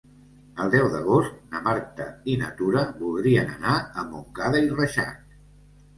El deu d'agost na Marta i na Tura voldrien anar a Montcada i Reixac.